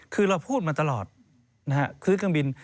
คือเราพูดมาตลอดนะฮะซื้อเครื่องบิน